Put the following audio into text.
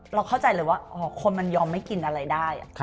เราเข้าใจเลยว่าคนมันยอมไม่กินอะไรได้